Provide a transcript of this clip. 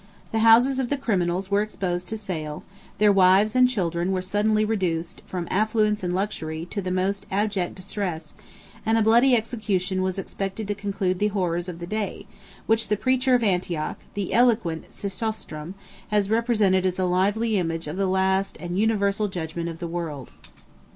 The houses of the criminals were exposed to sale, their wives and children were suddenly reduced, from affluence and luxury, to the most abject distress; and a bloody execution was expected to conclude the horrors of the day, 88 which the preacher of Antioch, the eloquent Chrysostom, has represented as a lively image of the last and universal judgment of the world.